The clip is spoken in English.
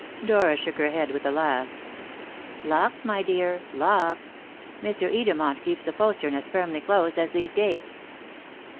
Dora shook her head with a laugh. "Locked, my dear, locked. Mr. Edermont keeps the postern as firmly closed as these gates."